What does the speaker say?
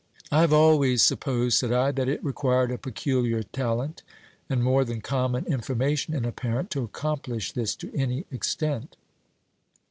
"I have always supposed," said I, "that it required a peculiar talent, and more than common information in a parent, to accomplish this to any extent."